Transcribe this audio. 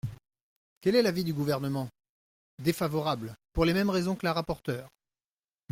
Quel est l’avis du Gouvernement ? Défavorable, pour les mêmes raisons que la rapporteure.